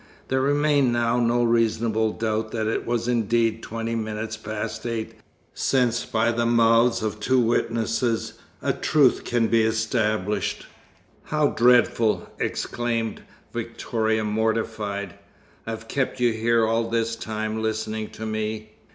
There remained now no reasonable doubt that it was indeed twenty minutes past eight, since by the mouths of two witnesses a truth can be established. "How dreadful!" exclaimed Victoria, mortified. "I've kept you here all this time, listening to me."